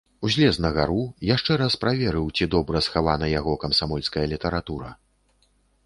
Узлез на гару, яшчэ раз праверыў, ці добра схавана яго камсамольская літаратура.